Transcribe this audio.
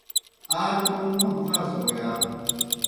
آ کوْم موں تھاس بوْ یا؟